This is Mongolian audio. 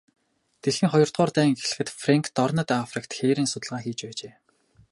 Дэлхийн хоёрдугаар дайн эхлэхэд Фрэнк дорнод Африкт хээрийн судалгаа хийж байжээ.